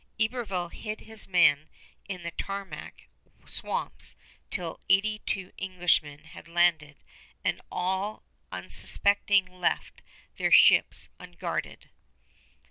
Iberville hid his men in the tamarack swamps till eighty two Englishmen had landed and all unsuspecting left their ships unguarded.